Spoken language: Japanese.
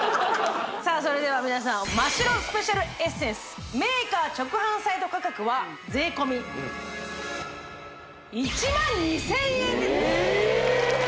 さあそれでは皆さんマ・シロスペシャルエッセンスメーカー直販サイト価格は税込１２０００円です！え？